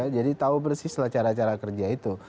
jadi tahu persislah cara cara kerja itu